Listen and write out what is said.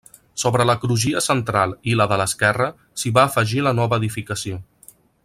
Sobre la crugia central i la de l’esquerra s’hi va afegir la nova edificació.